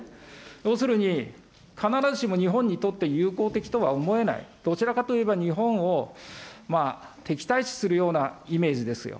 要するに、必ずしも日本にとって友好的とは思えない、どちらかといえば、日本を敵対視するようなイメージですよ。